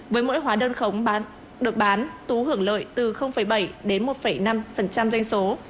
với mỗi hóa đơn khống được bán tú hưởng lợi từ bảy đến một năm doanh số